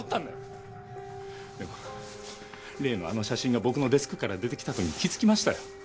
でも例のあの写真が僕のデスクから出てきた時に気づきましたよ。